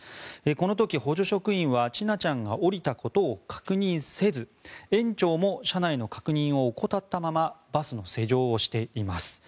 この時、補助職員は千奈ちゃんが降りたことを確認せず園長も車内の確認を怠ったままバスの施錠をしています。